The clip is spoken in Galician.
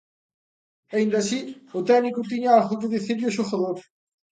Aínda así, o técnico tiña algo que dicirlle ao xogador.